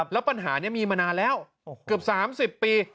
แล้วปัญหานี้มีมานานแล้วเกือบ๓๐ปี